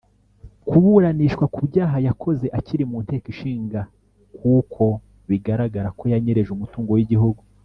kuburanishwa ku byaha yakoze akiri mu nteko Inteko Ishinga kuko bigaragara ko yanyereje umutungo w’igihugu.